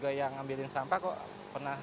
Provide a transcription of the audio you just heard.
iya musim kemarau